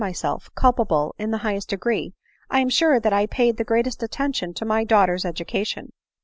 myself culpable in the highest degree, I am sure that I paid the greatest attention to my daughter's education.